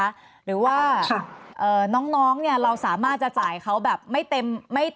ใช่ไหมคะหรือว่าน้องเราสามารถจะจ่ายเขาแบบไม่เต็ม